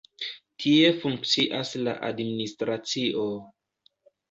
Tie funkcias la administracio.